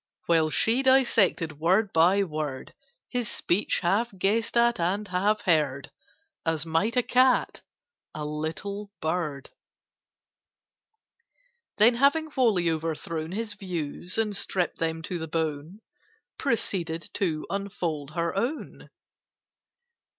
While she dissected, word by word, His speech, half guessed at and half heard, As might a cat a little bird. [Picture: He spake, neglecting Sound and Sense] Then, having wholly overthrown His views, and stripped them to the bone, Proceeded to unfold her own.